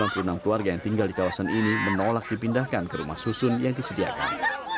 enam puluh enam keluarga yang tinggal di kawasan ini menolak dipindahkan ke rumah susun yang disediakan